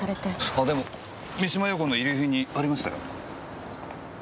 あでも三島陽子の遺留品にありましたよ。